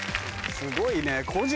すごいね。